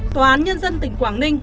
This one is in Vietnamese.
tòa án nhân dân tỉnh quảng ninh